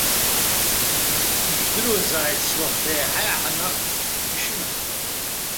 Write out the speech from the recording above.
Ижәдыруазааит суахҭа еиҳа-еиҳа наҟ ишынаскьо!